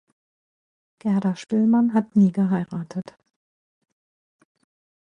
Gerda Spillmann hat nie geheiratet.